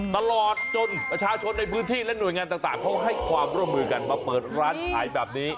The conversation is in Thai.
ตลอดจนประชาชนในพื้นที่และหน่วยงานต่างเขาให้ความร่วมมือกันมาเปิดร้านขายแบบนี้